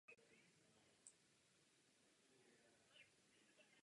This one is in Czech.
Podle mýtů to byl první egyptský král a otec Libye.